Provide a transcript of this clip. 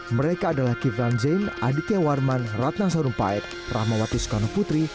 mereka adalah kivlan zain aditya warman ratna sarumpait rahmawati sukonoputri